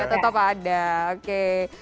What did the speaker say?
tetap ada oke